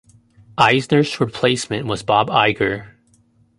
Eisner's replacement was Bob Iger.